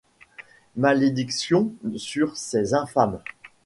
Malédiction sur ces infâmes !